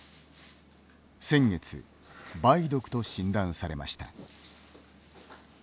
先月、梅毒と診断されました。